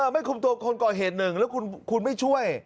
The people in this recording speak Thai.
ไม่คุมตัวคนก่อเหตุหนึ่งแล้วคุณไม่ช่วย